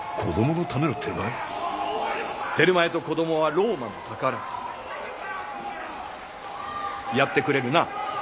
テルマエと子供はローマの宝やってくれるな？